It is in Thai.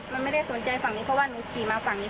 มันไม่ได้สนใจฝั่งนี้เพราะว่าหนูขี่มาฝั่งนี้